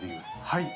はい。